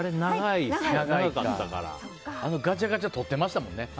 ガチャガチャ取ってましたもんね。